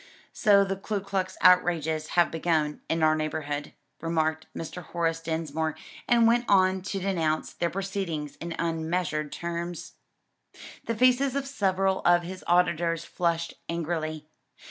"So the Ku Klux outrages have begun in our neighborhood," remarked Mr. Horace Dinsmore, and went on to denounce their proceedings in unmeasured terms. The faces of several of his auditors flushed angrily.